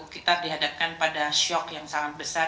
kita dihadapkan pada shock yang sangat besar